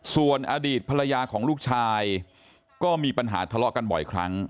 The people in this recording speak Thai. ส่วนอดีตภรรยาของลูกชายก็มีปัญหาทะเลาะกันบ่อยครั้ง